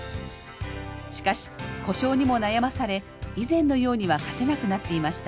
しかし故障にも悩まされ以前のようには勝てなくなっていました。